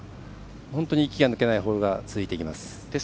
本当に息が抜けないホールが続いていきます。